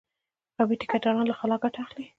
قومي ټيکه داران له خلا ګټه اخلي.